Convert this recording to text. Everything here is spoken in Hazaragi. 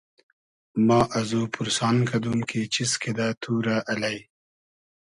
ما ازو پورسان کئدوم کی چیز کیدۂ تو رۂ الݷ